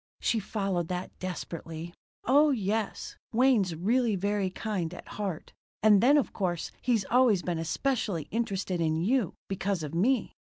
She followed that desperately. "Oh yes, Wayne's really very kind at heart. And then of course he's always been especially interested in you, because of me."